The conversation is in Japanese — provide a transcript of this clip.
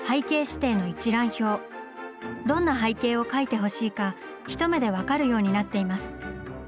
どんな背景を描いてほしいか一目で分かるようになっています。